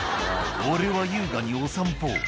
「俺は優雅にお散歩」